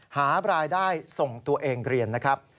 หารายได้ส่งตัวเองเรียนนะครับ